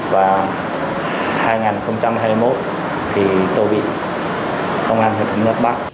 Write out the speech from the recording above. và năm hai nghìn hai mươi một tôi bị công an huyện thống nhất bắt